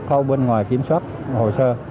khâu bên ngoài kiểm soát hồ sơ